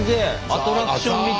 アトラクションみたい。